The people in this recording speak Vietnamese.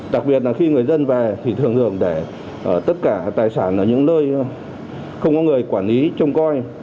đặc biệt là khi người dân về thì thường hưởng để tất cả tài sản ở những nơi không có người quản lý trông coi